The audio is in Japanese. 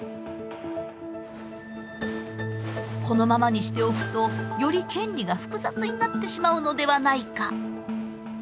このままにしておくとより権利が複雑になってしまうのではないか。